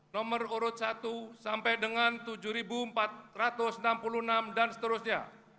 nomor urut satu sampai dengan tujuh empat ratus enam puluh enam dan seterusnya